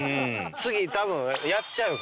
次たぶんやっちゃうから。